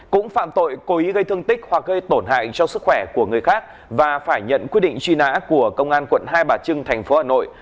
cũng phạm tội cố ý gây thương tích hoặc gây tổn hại cho sức khỏe của người khác và phải nhận quyết định truy nã của công an quận hai bà trưng tp hà nội